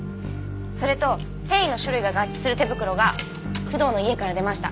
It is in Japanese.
それと繊維の種類が合致する手袋が工藤の家から出ました。